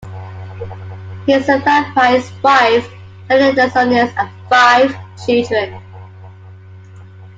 He is survived by his wife, Jeanne Desaulniers, and five children.